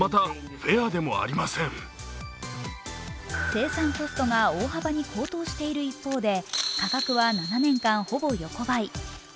生産コストが大幅に高騰している一方で価格は７年間、ほぼ横ばい。